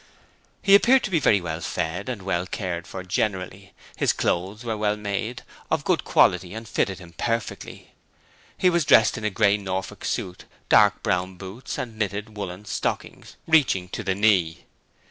He appeared to be very well fed and well cared for generally. His clothes were well made, of good quality and fitted him perfectly. He was dressed in a grey Norfolk suit, dark brown boots and knitted woollen stockings reaching to the knee.